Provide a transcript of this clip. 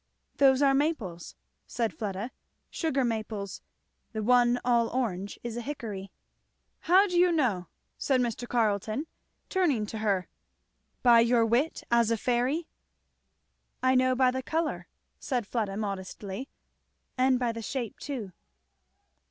"Those are maples," said Fleda, "sugar maples. The one all orange is a hickory." "How do you know?" said Mr. Carleton, turning to her. "By your wit as a fairy?" "I know by the colour," said Fleda modestly, "and by the shape too."